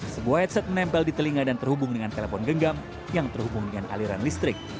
sebuah headset menempel di telinga dan terhubung dengan telepon genggam yang terhubung dengan aliran listrik